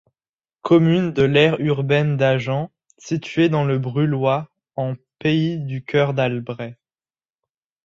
Commune de l'aire urbaine d'Agen située dans le Brulhois en pays du Cœur d'Albret.